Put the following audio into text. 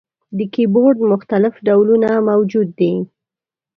د کیبورډ مختلف ډولونه موجود دي.